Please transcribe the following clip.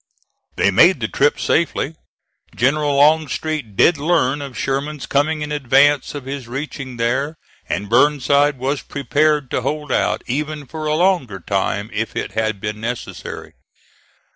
They made the trip safely; General Longstreet did learn of Sherman's coming in advance of his reaching there, and Burnside was prepared to hold out even for a longer time if it had been necessary.